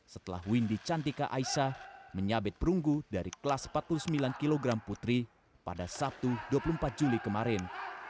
setelah windy cantika aisa menyabet perunggu dari kelas empat puluh sembilan kg putri pada sabtu dua puluh empat juli kemarin